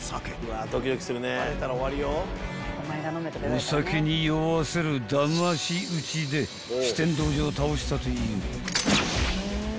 ［お酒に酔わせるだまし討ちで酒呑童子を倒したという］